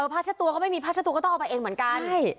พาชะตัวก็ไม่มีพาชะตัวก็ต้องเอาไปเองเหมือนกัน